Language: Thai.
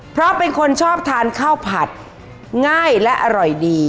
เพราะเป็นคนชอบทานข้าวผัดง่ายและอร่อยดี